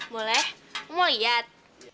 boleh aku mau lihat